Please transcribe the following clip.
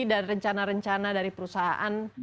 dan rencana rencana dari perusahaan